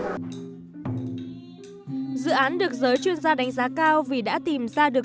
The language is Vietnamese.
dự án được giới chuyên gia đánh giá cao vì đã tìm ra được